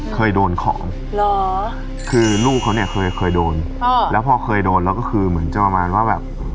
เคยโดนของเหรอคือลูกเขาเนี่ยเคยเคยโดนอ๋อแล้วพอเคยโดนแล้วก็คือเหมือนจะประมาณว่าแบบ